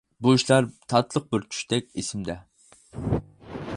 بۇ ئىشلار تاتلىق بىر چۈشتەك ئېسىمدە.